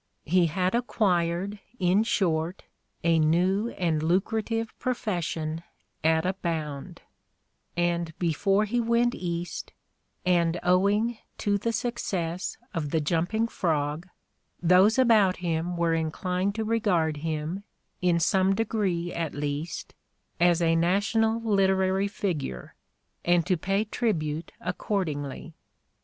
He had "acquired," in short, "a new and lucrative profession at a bound"; and before he went Bast, and owing to the success of "The Jumping Frog," "those about him were inclined to regard him, in some degree at least, as a national literary figure, and to pay tribute accordingly."